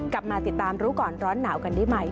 กลับมาติดตามรู้ก่อนร้อนหนาวกันได้ใหม่